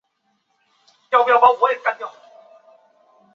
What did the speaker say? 白茂线